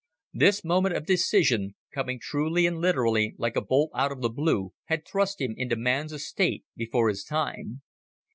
This moment of decision, coming truly and literally like a bolt out of the blue, had thrust him into man's estate before his time.